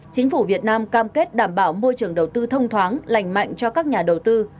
chính phủ việt nam cam kết đảm bảo môi trường đầu tư thông thoáng lành mạnh cho các nhà đầu tư